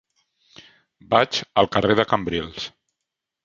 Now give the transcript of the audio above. Vaig al carrer de Cambrils.